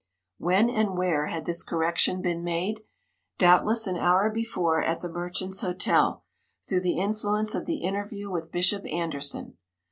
When and where had this correction been made? Doubtless an hour before, at the Merchant's Hotel, through the influence of the interview with Bishop Anderson.